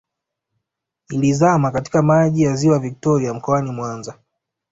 Ilizama katika Maji ya Ziwa Victoria mkoani Mwanza